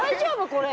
これ。